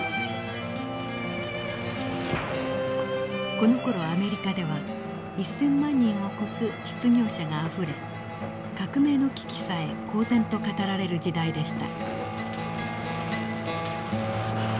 このころアメリカでは１，０００万人を超す失業者があふれ革命の危機さえ公然と語られる時代でした。